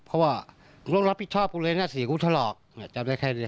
เพราะว่าร่วมรับผิดชอบเพราะเลยน่าที่รูทะรอกเจ้าแค่นึก